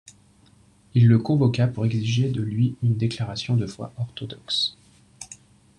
Il le convoqua pour exiger de lui une déclaration de foi orthodoxe.